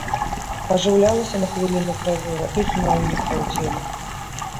Ажыўлялася на хвіліну гравюра і зноў нікла ў ценях.